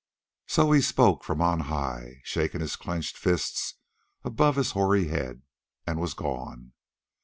So he spoke from on high, shaking his clenched fists above his hoary head, and was gone.